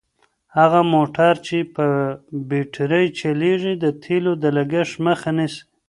هغه موټر چې په بېټرۍ چلیږي د تېلو د لګښت مخه نیسي.